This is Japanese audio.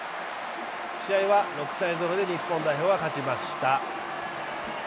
試合は６−０で日本代表が勝ちました。